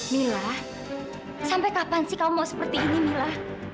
mila sampai kapan sih kamu mau seperti ini mila